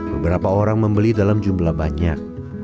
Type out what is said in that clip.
beberapa orang membeli dalam jumlah banyak